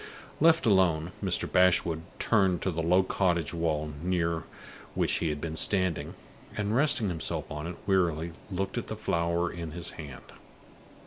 Left alone, Mr. Bashwood turned to the low cottage wall near which he had been standing, and, resting himself on it wearily, looked at the flower in his hand.